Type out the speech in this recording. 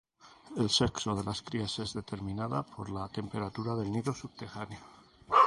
El sexo de las crías es determinada por la temperatura del nido subterráneo.